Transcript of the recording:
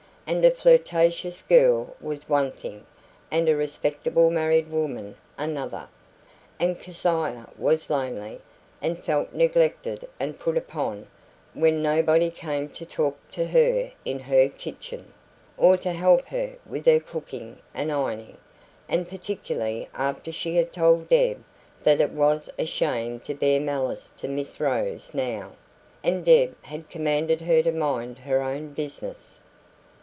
And a flirtatious girl was one thing, and a respectable married woman another. And Keziah was lonely, and felt neglected and "put upon" when nobody came to talk to her in her kitchen, or to help her with her cooking and ironing and particularly after she had told Deb that it was a shame to bear malice to Miss Rose now, and Deb had commanded her to mind her own business.